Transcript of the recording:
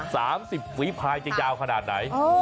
สามสิบฝีภายจะยาวขนาดไหน